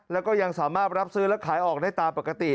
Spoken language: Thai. แล้วก็ยังสามารถรับซื้อและขายออกได้ตามปกติ